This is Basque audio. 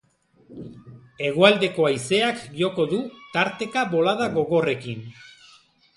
Hegoaldeko haizeak joko du, tarteka bolada gogorrekin.